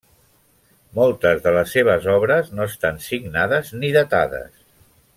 Moltes de les seves obres no estan signades ni datades.